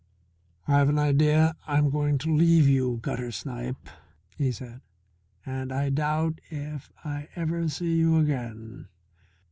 "I've an idea I'm going to leave you, gutter snipe," he said, "and I doubt if I ever see you again.